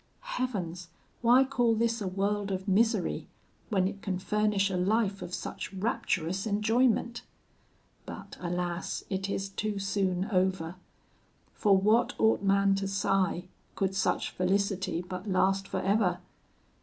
Heavens! why call this a world of misery, when it can furnish a life of such rapturous enjoyment? But alas, it is too soon over! For what ought man to sigh, could such felicity but last for ever?